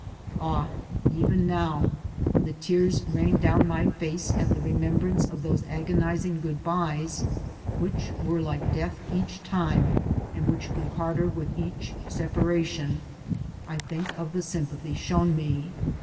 Ah, even now, when the tears rain down my face at the remembrance of those agonizing good byes, which were like death each time, and which grew harder with each separation, I think of the sympathy shown me.